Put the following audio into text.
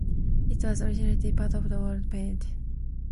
It was originally part of the Waldo Patent.